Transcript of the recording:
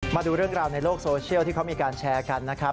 มาดูเรื่องราวในโลกโซเชียลที่เขามีการแชร์กันนะครับ